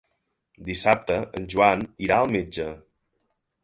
Dissabte en Joan irà al metge.